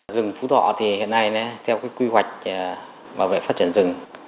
rừng phú thọ thì hiện nay theo quy hoạch bảo vệ phát triển rừng